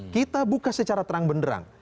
kita buka secara terang benderang